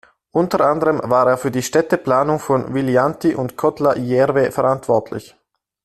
Unter anderem war er für die Städteplanung von Viljandi und Kohtla-Järve verantwortlich.